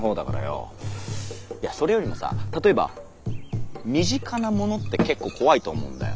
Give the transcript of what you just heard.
いやそれよりもさ例えば身近なものってケッコー怖いと思うんだよ。